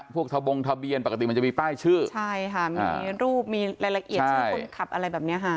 พวกท้าวบงทะเบียนปกติมันจะมีป้ายชื่อมีรูปมีรายละเอียดชื่อคนขับอะไรแบบนี้ฮะ